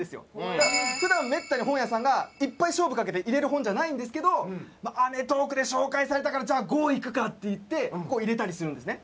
だから普段めったに本屋さんがいっぱい勝負かけて入れる本じゃないんですけど『アメトーーク』で紹介されたからじゃあ５いくかっていって５入れたりするんですね。